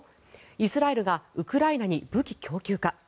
イスラエルがウクライナに武器供給か？